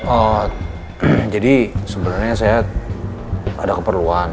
oooh jadi sebenernya saya ada keperluan